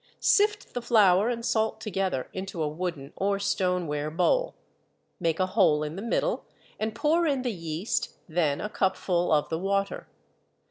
Sift the flour and salt together into a wooden or stoneware bowl. Make a hole in the middle and pour in the yeast, then a cupful of the water.